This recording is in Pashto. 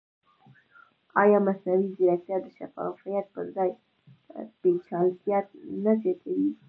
ایا مصنوعي ځیرکتیا د شفافیت پر ځای پېچلتیا نه زیاتوي؟